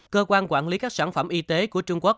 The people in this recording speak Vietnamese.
cơ quan quản lý các sản phẩm y tế của trung quốc